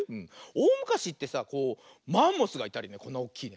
おおむかしってさこうマンモスがいたりこんなおっきいね。